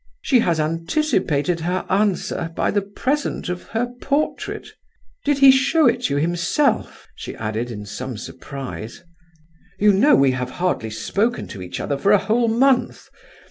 She has anticipated her answer by the present of her portrait. Did he show it you himself?" she added, in some surprise. "You know we have hardly spoken to each other for a whole month.